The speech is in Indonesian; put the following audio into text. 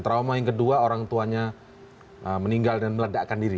trauma yang kedua orang tuanya meninggal dan meledakkan diri